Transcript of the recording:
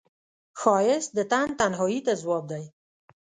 ښایست د تن تنهایی ته ځواب دی